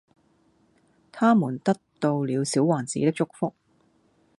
它們得到了小王子的祝福